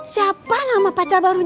siapa nama pacar baru